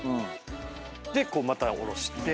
こうまた下ろして。